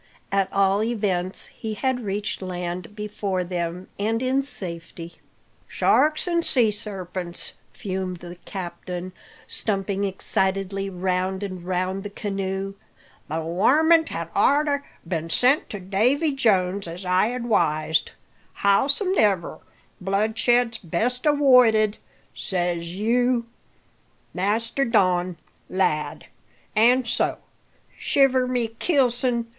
At all events, he had reached land before them, and in safety. "Sharks an' sea sarpents!" fumed the captain, Stumping excitedly round and round the canoe. "The warmint had orter been sent to Davy Jones as I ad wised. Howsomedever, bloodshed's best awoided, says you, Master Don, lad; an' so, shiver my keelson!